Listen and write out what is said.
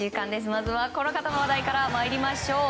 まずは、この方の話題から参りましょう。